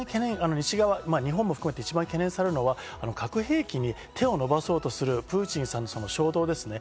日本も含めて懸念されるのは、核兵器に手を伸ばそうとするプーチンさんの衝動ですね。